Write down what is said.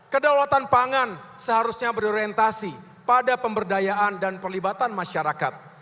kedaulatan pangan seharusnya berorientasi pada pemberdayaan dan perlibatan masyarakat